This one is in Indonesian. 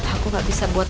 aku gak bisa buat